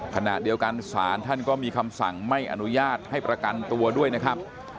ขณะเดียวกันศาลท่านก็มีคำสั่งไม่อนุญาตให้ประกันตัวด้วยนะครับ